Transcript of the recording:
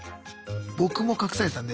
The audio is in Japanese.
僕も隠されてたんで。